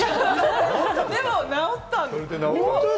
でも直ったんです。